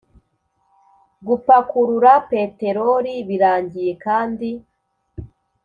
Gupakurura peteroli birangiye kandi